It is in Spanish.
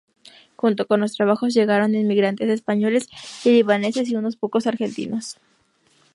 Junto con los trabajos llegaron inmigrantes españoles y libaneses, y unos pocos argentinos.